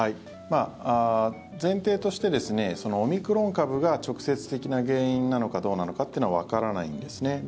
前提としてオミクロン株が直接的な原因なのかどうなのかというのはわからないんですね。